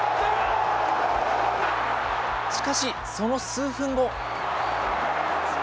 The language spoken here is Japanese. しかし、その数分後。